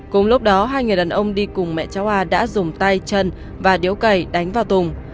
cùng lúc đó hai người đàn ông đi cùng mẹ cháu a đã dùng tay chân và điếu cầy đánh vào tùng